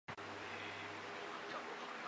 现在则是音乐会和电影节的会场。